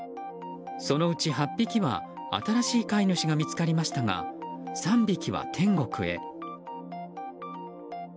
そのうち８匹は新しい飼い主が見つかりましたが３匹は天国へ。